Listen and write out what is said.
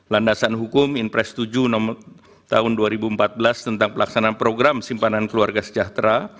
landasan hukum impres tujuh tahun dua ribu empat belas tentang pelaksanaan program simpanan keluarga sejahtera